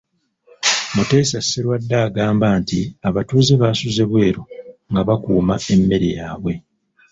Muteesa Sserwadda agamba nti abatuuze basuze bweru nga bakuuma emmere yaabwe